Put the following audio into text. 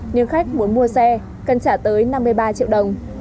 nhưng khách muốn mua xe cần trả tới năm mươi ba triệu đồng